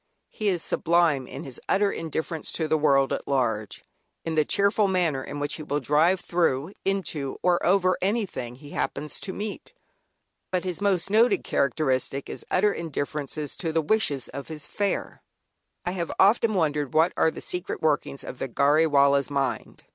He is sublime in his utter indifference to the world at large, in the cheerful manner in which he will drive, through, into, or over anything he happens to meet. But his most noted characteristic is utter indifference to the wishes of his "fare." I have often wondered what are the secret workings of the "Gharry Wallah's" mind.